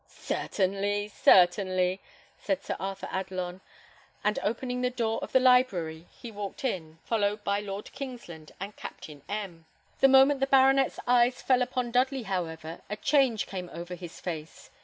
"Certainly, certainly," said Sir Arthur Adelon; and opening the door of the library, he walked in, followed by Lord Kingsland and Captain M . The moment the baronet's eyes fell upon Dudley, however, a change came over his face.